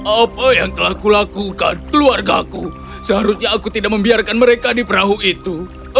apa yang telah kulakukan keluarga aku seharusnya aku tidak membiarkan mereka di perahu itu